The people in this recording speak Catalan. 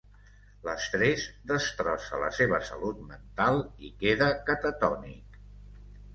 L'estrès destrossa la seva salut mental, i queda catatònic.